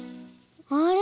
あれ？